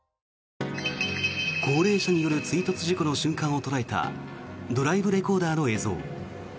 高齢者による追突事故の瞬間を捉えたドライブレコーダーの映像。